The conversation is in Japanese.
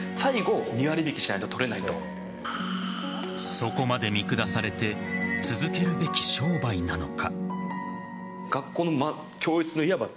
そこまで見下されて続けるべき商売なのか。